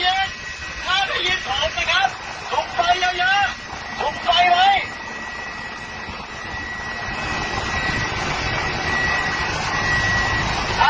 โทษโทษพอเชื่อแล้วบอกเมื่อแล้วถูกไฟไอ้เยอะถูกไฟไอ้เยอะ